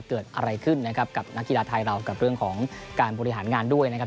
เกิดอะไรขึ้นนะครับกับนักกีฬาไทยเรากับเรื่องของการบริหารงานด้วยนะครับ